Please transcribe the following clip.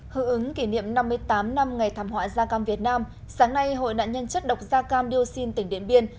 hữu ứng kỷ niệm năm mươi tám năm ngày thảm họa da cam việt nam sáng nay hội nạn nhân chất độc da cam dioxin tỉnh điện biên